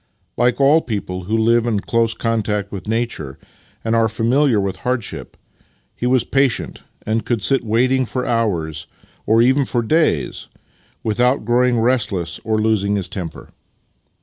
Like all people who live in close contact with nature and are familiar with hardship, he was patient, and could sit waiting for hours, or even for days, without growing restless or losing his temper.